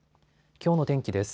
きょうの天気です。